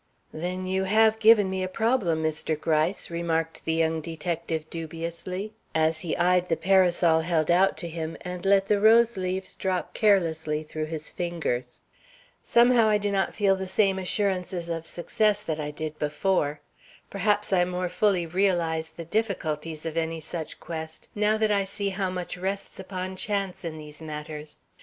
"Then you have given me a problem, Mr. Gryce," remarked the young detective dubiously, as he eyed the parasol held out to him and let the rose leaves drop carelessly through his fingers. "Somehow I do not feel the same assurances of success that I did before. Perhaps I more fully realize the difficulties of any such quest, now that I see how much rests upon chance in these matters.